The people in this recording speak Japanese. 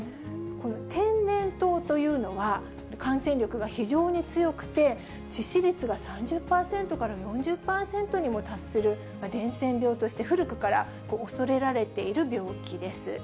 この天然痘というのは、感染力が非常に強くて、致死率が３０％から４０％にも達する伝染病として、古くから恐れられている病気です。